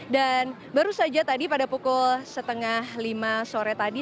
dan baru saja tadi pada pukul setengah lima sore tadi